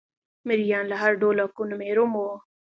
مریان له هر ډول حقونو محروم وو.